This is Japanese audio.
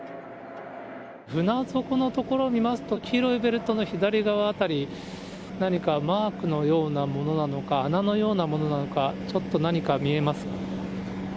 船底のところ見ますと、黄色いベルトの左側辺り、何かマークのようなものなのか、穴のようなものなのか、ちょっと何か見えます。